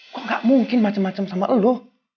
kok gak mungkin macem macem sama lo